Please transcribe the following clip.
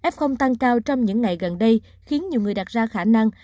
f tăng cao trong những ngày gần đây khiến nhiều người đặt ra khả năng